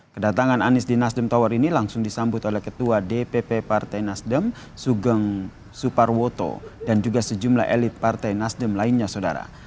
kedatangan anies di nasdem tower ini langsung disambut oleh ketua dpp partai nasdem sugeng suparwoto dan juga sejumlah elit partai nasdem lainnya saudara